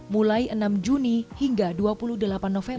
mulai enam juni hingga dua puluh delapan november